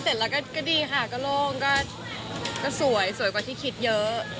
เสร็จแล้วก็ดีค่ะก็โล่งก็สวยสวยกว่าที่คิดเยอะ